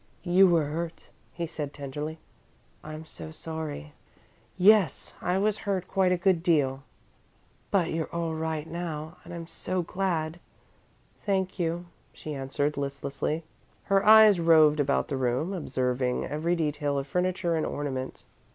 "You were hurt," he said, tenderly. "I'm so sorry." "Yes. I was hurt quite a good deal." "But you're all right now, and I'm so glad!" "Thank you," she answered, listlessly. Her eyes roved about the room, observing every detail of furniture and ornament.